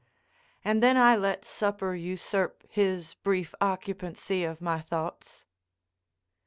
And then I let supper usurp his brief occupancy of my thoughts.